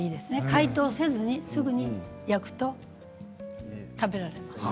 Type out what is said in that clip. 解凍せずにすぐに焼くと食べられます。